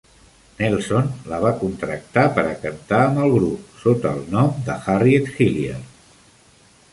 Nelson la va contractar per a cantar amb el grup, sota el nom de Harriet Hilliard.